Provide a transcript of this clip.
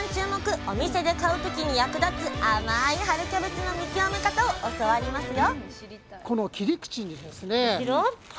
お店で買う時に役立つ甘い春キャベツの見極め方を教わりますよ！